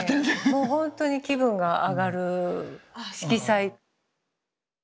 もうほんとに気分が上がる色彩。